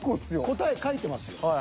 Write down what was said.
答え書いてますよ。